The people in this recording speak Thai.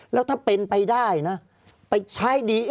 ภารกิจสรรค์ภารกิจสรรค์